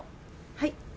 はい。